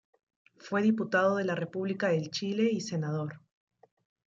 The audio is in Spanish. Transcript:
Fue Diputado de la República de Chile y Senador.